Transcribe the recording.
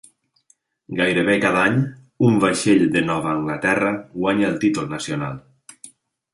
Gairebé cada any, un vaixell de Nova Anglaterra guanya el títol nacional.